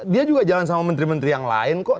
dia juga jalan sama menteri menteri yang lain kok